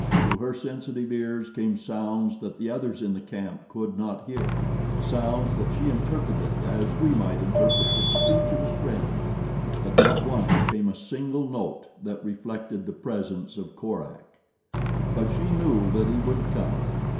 To her sensitive ears came sounds that the others in the camp could not hear—sounds that she interpreted as we might interpret the speech of a friend, but not once came a single note that reflected the presence of Korak. But she knew that he would come.